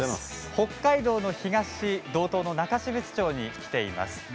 北海道の東道東の中標津町に来ています。